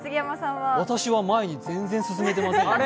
私は前に全然進めてませんよ。